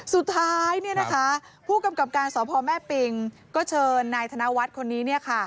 ผู้กำกับการสพแม่ปิงก็เชิญนายธนวัฒน์คนนี้